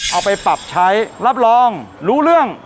เอาไปปรับใช้รับรองรู้เรื่อง